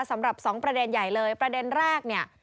สำหรับสองประเด็นใหญ่เลยประเด็นแรกเนี้ย